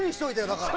だから。